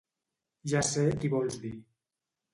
—Ja sé qui vols dir.